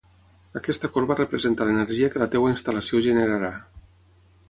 Aquesta corba representa l'energia que la teva instal·lació generarà